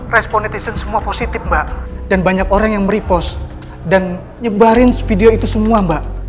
respon netizen semua positif mbak dan banyak orang yang merepost dan nyebarin video itu semua mbak